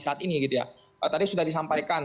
saat ini gitu ya tadi sudah disampaikan